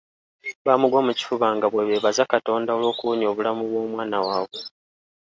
Baamugwa mu kifuba nga bwe beebaza Katonda olw'okuwonya obulamu bw'omwana waabwe.